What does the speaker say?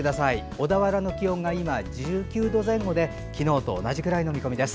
小田原の気温が今１９度前後で昨日と同じくらいの見込みです。